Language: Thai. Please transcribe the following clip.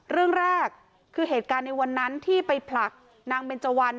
เรื่องแรกคือเหตุการณ์ในวันนั้นที่ไปผลักนางเบนเจวัน